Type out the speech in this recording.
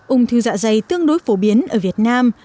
ung thư dạ dày tương đối phổ biến ở việt nam